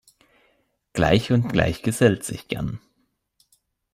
Gleich und Gleich gesellt sich gern.